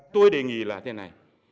tôi đề nghị là thế này